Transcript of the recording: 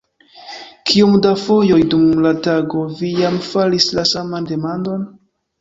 Kiom da fojoj dum la tago vi jam faris la saman demandon?